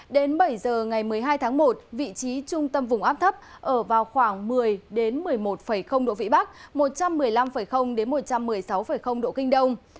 đến bảy giờ ngày một mươi hai tháng một vị trí trung tâm vùng áp thấp ở vào khoảng một mươi một mươi một độ vĩ bắc một trăm một mươi năm một trăm một mươi sáu độ kinh đông